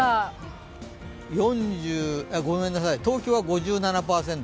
ごめんなさい、東京は５７％。